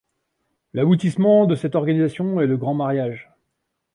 L'aboutissement de cette organisation est le Grand mariage.